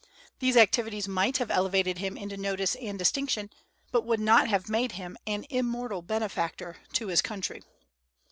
These activities might have elevated him into notice and distinction, but would not have made him an immortal benefactor to his country.